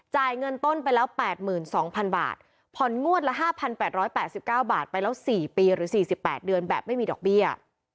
เงินต้นไปแล้ว๘๒๐๐๐บาทผ่อนงวดละ๕๘๘๙บาทไปแล้ว๔ปีหรือ๔๘เดือนแบบไม่มีดอกเบี้ย